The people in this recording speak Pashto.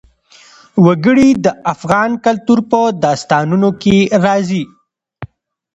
وګړي د افغان کلتور په داستانونو کې راځي.